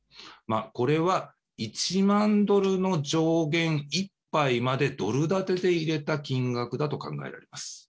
これは１万ドルの上限いっぱいまでドル建てで入れた金額だと考えられます。